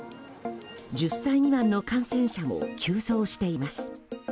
１０歳未満の感染者も急増しています。